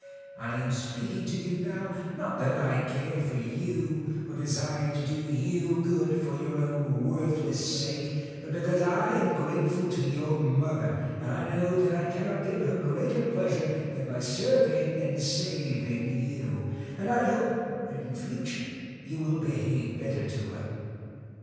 I am speaking to you now, not that I care for you or desire to do you good for your own worthless sake, but because I am grateful to your mother, and I know that I cannot give her greater pleasure than by serving and saving you, and I hope that in future you will behave better to her.